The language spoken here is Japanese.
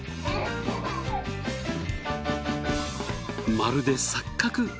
まるで錯覚。